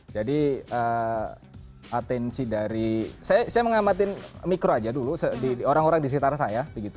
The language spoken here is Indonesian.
jadi atensi dari saya mengamati mikro aja dulu orang orang di sekitar saya